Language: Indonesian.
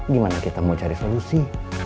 gimana kita mau cari solusi